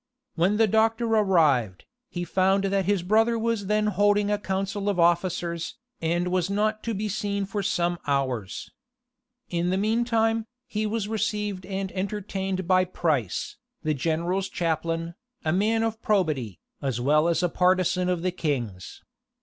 When the doctor arrived, he found that his brother was then holding a council of officers, and was not to be seen for some hours. In the mean time, he was received and entertained by Price, the general's chaplain, a man of probity, as well as a partisan of the king's.